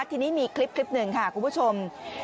ทีนี้มีคลิปหนึ่งค่ะคุณผู้ชม